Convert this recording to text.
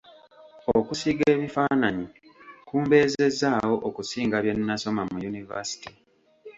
Okusiiga ebifaananyi kumbeezezzaawo okusinga bye nnasoma mu Yunivasite.